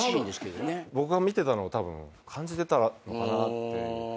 僕が見てたのを感じてたのかなって。